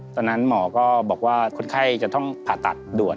ตอนนั้นหมอก็บอกว่าคนไข้จะต้องผ่าตัดด่วน